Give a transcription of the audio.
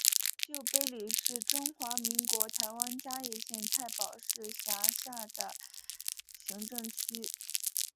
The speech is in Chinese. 旧埤里是中华民国台湾嘉义县太保市辖下的行政区。